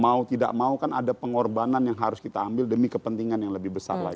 mau tidak mau kan ada pengorbanan yang harus kita ambil demi kepentingan yang lebih besar lagi